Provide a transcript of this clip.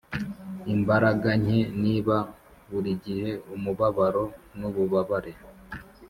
imbaraga nk, niba burigihe umubabaro nububabare